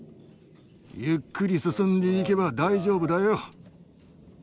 ゆっくり進んでいけば大丈夫だよ。